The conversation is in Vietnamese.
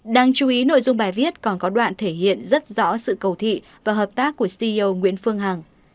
đáng chú ý nội dung bài viết còn có đoạn thể hiện rất rõ sự cầu thị và hợp tác của ceo nguyễn phương hằng